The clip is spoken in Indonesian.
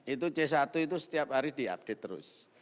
itu c satu itu setiap hari diupdate terus